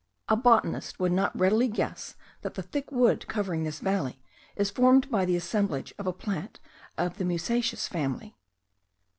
A botanist would not readily guess that the thick wood covering this valley is formed by the assemblage of a plant of the musaceous family.